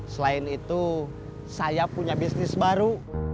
selain itu saya punya bisnis baru